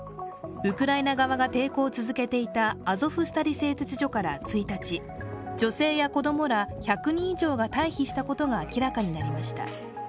ウクライナ側が抵抗を続けていたアゾフスタリ製鉄所から１日、女性や子供ら１００人以上が退避したことが明らかになりました。